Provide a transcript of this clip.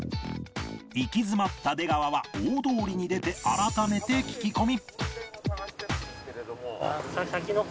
行き詰まった出川は大通りに出て改めて聞き込み